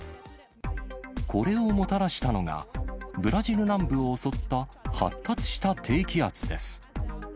これをもたらしたのが、ブラジル南部を襲った発達した低気圧です。